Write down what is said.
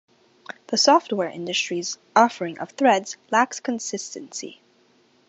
The software industry's offering of threads lacks consistency.